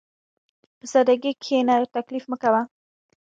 په سادهګۍ کښېنه، تکلف مه کوه.